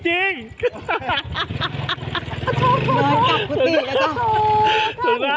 หนอยกลับพวกขี้แล้วจ้ะ